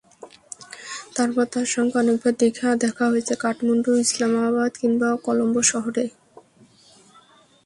তারপর তাঁর সঙ্গে অনেকবার দেখা হয়েছে, কাঠমান্ডু, ইসলামাবাদ কিংবা কলম্বো শহরে।